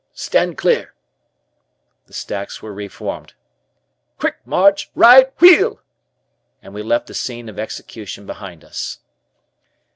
Stand Clear." The stacks were re formed. "Quick March! Right Wheel'" and we left the scene of execution behind us.